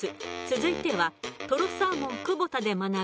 続いては。